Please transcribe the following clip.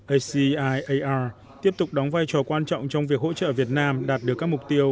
aciar tiếp tục đóng vai trò quan trọng trong việc hỗ trợ việt nam đạt được các mục tiêu